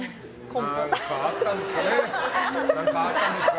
何かあったんですかね。